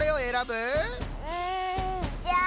うんじゃあ。